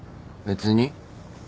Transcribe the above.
別に。